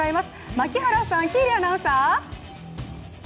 槙原さん、喜入アナウンサー。